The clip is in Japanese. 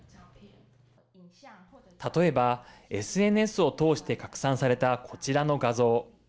例えばＳＮＳを通して拡散されたこちらの画像。